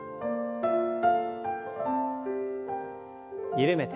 緩めて。